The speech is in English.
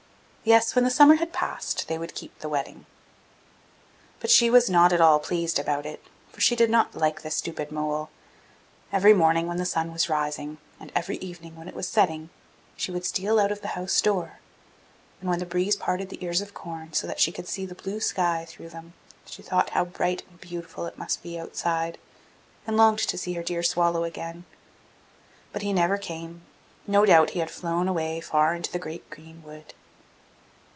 Yes, when the summer had passed, they would keep the wedding. But she was not at all pleased about it, for she did not like the stupid mole. Every morning when the sun was rising, and every evening when it was setting, she would steal out of the house door, and when the breeze parted the ears of corn so that she could see the blue sky through them, she thought how bright and beautiful it must be outside, and longed to see her dear swallow again. But he never came; no doubt he had flown away far into the great green wood.